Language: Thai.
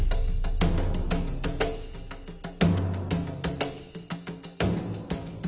เก้าชีวิตหรือเราให้เจ้าของโน้น